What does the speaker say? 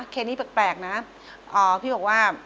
เคสนี้แปลกนะ